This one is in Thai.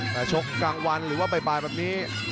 แต่ชกกลางวันหรือว่าบ่ายแบบนี้